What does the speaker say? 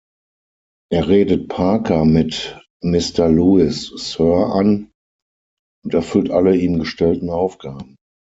Er redet Parker mit „Mister Lewis, Sir“ an und erfüllt alle ihm gestellten Aufgaben.